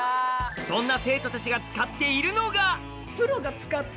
・そんな生徒たちが使っているのが機材。